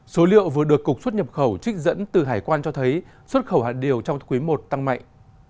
số liệu vừa được cục xuất nhập khẩu trích dẫn từ hải quan cho thấy xuất khẩu hạt điều trong quý i tăng mạnh